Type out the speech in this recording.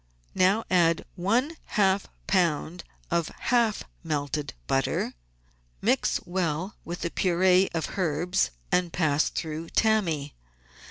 Now add one half lb. of half melted butter, mix well with the pur^e of herbs, and pass through tammy.